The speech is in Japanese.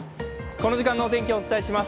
この時間のお天気をお伝えします。